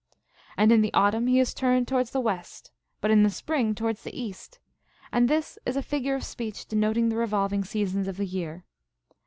And in the autumn he is turned towards the west, but in the spring towards the east, and this is a figure of speech denoting the revolving seasons of the year.